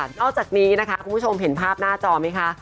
นอกจากนี้นะคะคุณผู้ชมเห็นภาพหน้าจอไหมคะ